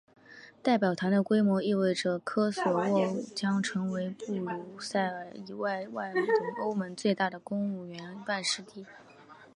代表团的规模意味着科索沃将成为布鲁塞尔以外欧盟最大的公务员办事地。